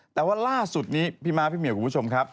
แต่ว่าล่าสุดนี้พี่ม้าพี่เหมียวคุณผู้ชมครับ